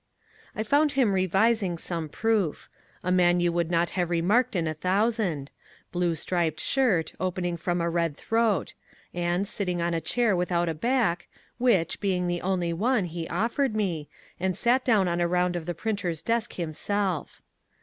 I found him revising some proof. A man you would not have marked in a thousand ; blue striped shirt, opening from a red throat ; and sitting on a chair without a back, which, being the only one, he offered me, and sat down on a round of 216 MONCURE DANIEL CONWAY the printer's desk himself.